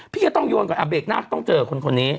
พี่จะต้องโยนก่อนเบรกหน้าต้องเจอคนนี้